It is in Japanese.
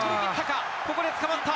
ここでつかまった。